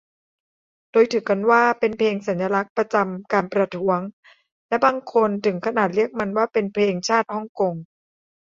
โดยถือกันว่าเป็นเพลงสัญลักษณ์ประจำการประท้วง และบางคนถึงขนาดเรียกมันว่าเป็น "เพลงชาติฮ่องกง"